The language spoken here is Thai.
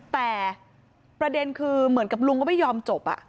แต่ประเด็นคือเหมือนกับลุงก็ไม่ยอมจบ